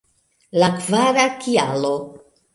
La kvara kialo!